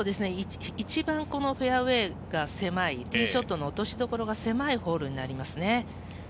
一番フェアウエーが狭い、ティーショットの落としどころが狭いホールになりますね。